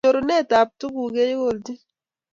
Nyurunet ab tuguk kokelchin